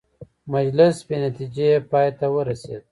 مجلس بې نتیجې پای ته ورسېد.